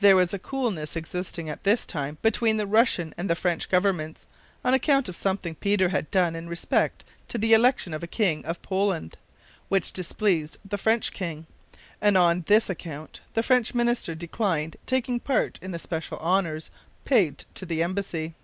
There was a coolness existing at this time between the Russian and the French governments on account of something Peter had done in respect to the election of a king of Poland, which displeased the French king, and on this account the French minister declined taking part in the special honors paid to the embassy.